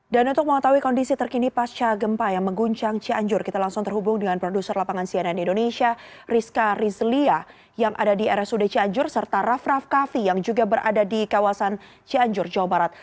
dan untuk mengetahui kondisi terkini pasca gempa yang mengguncang cianjur kita langsung terhubung dengan produser lapangan cnn indonesia rizka rizlia yang ada di rsud cianjur serta rav rav kavi yang juga berada di kawasan cianjur jawa barat